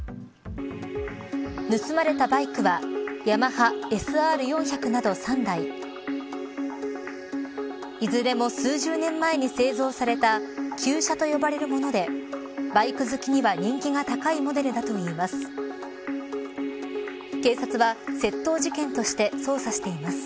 盗まれたバイクはＹＡＭＡＨＡＳＲ４００など３台いずれも、数十年前に製造された旧車と呼ばれるものでバイク好きには人気が高いモデルだといいます。